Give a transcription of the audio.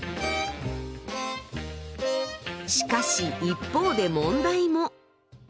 しかし一方で問題も。